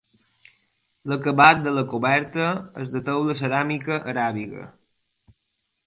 L'acabat de la coberta és de teula ceràmica aràbiga.